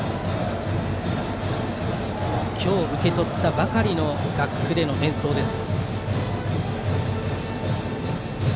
今日受け取ったばかりの楽譜での演奏です。